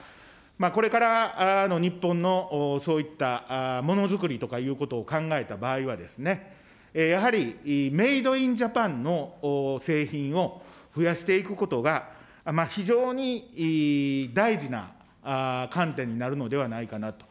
これからの日本のそういったものづくりとかいうことを考えた場合は、やはりメイドインジャパンの製品を増やしていくことは、非常に大事な観点になるのではないかなと。